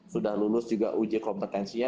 sudah lulus juga uji kompetensinya